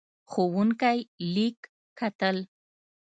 ښوونکی لیک کتل.